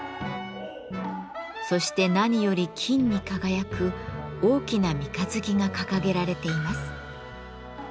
そして何より金に輝く大きな三日月が掲げられています。